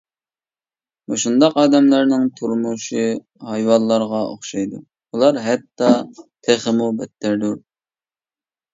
مۇشۇنداق ئادەملەرنىڭ تۇرمۇشى ھايۋانلارغا ئوخشايدۇ، ئۇلار ھەتتا تېخىمۇ بەتتەردۇر.